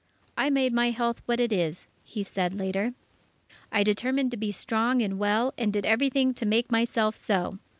"I made my health what it is," he said later, "I determined to be strong and well, and did everything to make myself so.